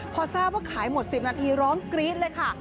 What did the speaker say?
พอทราบว่าขายหมด๑๐นาทีร้องกรี๊ดเลยค่ะ